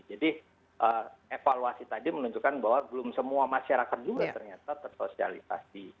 jadi evaluasi tadi menunjukkan bahwa belum semua masyarakat juga ternyata tersosialisasi